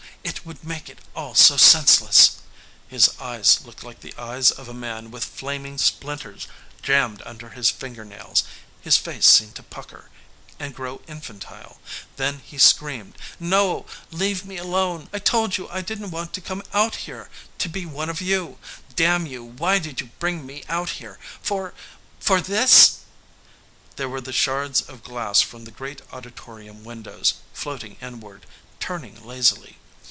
It would make it all so senseless!" His eyes looked like the eyes of a man with flaming splinters jammed under his fingernails. His face seemed to pucker, and grow infantile. Then he screamed: "No! Leave me alone! I told you I didn't want to come out here, to be one of you! Damn you, why did you bring me out here? For for this?..." There were the shards of glass from the great auditorium windows, floating inward, turning lazily.